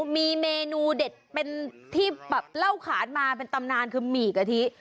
มีเมนูเด็ดเป็นที่แบบเล่าขานมาเป็นตำนานคือหมี่กะทิ